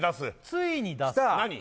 ついに出す何？